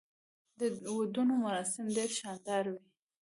د ودونو مراسم ډیر شاندار وي.